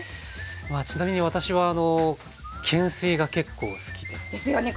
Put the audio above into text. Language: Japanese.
まあちなみに私は懸垂が結構好きで。ですよね。